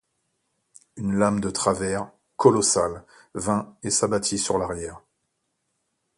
Une lame de travers, colossale, vint, et s’abattit sur l’arrière.